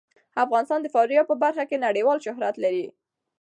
افغانستان د فاریاب په برخه کې نړیوال شهرت لري.